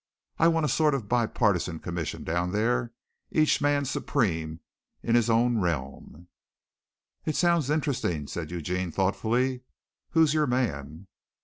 I want a sort of bi partisan commission down there each man supreme in his own realm." "It sounds interesting," said Eugene thoughtfully. "Who's your man?"